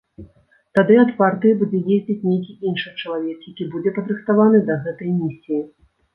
Тады ад партыі будзе ездзіць нейкі іншы чалавек, які будзе падрыхтаваны да гэтай місіі.